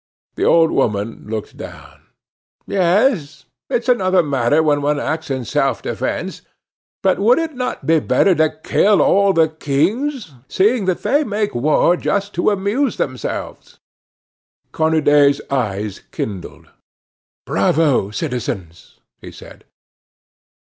The old woman looked down: "Yes; it's another matter when one acts in self defence; but would it not be better to kill all the kings, seeing that they make war just to amuse themselves?" Cornudet's eyes kindled. "Bravo, citizens!" he said.